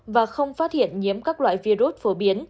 và không phát hiện nhiễm các loại virus phổ biến